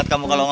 ada apaan sih